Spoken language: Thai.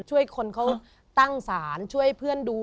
ช่วยคนเขาตั้งศาลช่วยเพื่อนดู